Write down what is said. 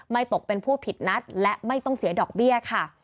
ตกเป็นผู้ผิดนัดและไม่ต้องเสียดอกเบี้ยค่ะ